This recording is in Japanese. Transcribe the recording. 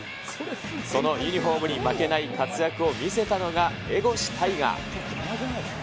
そのユニホームに負けない活躍を見せたのが、江越大賀。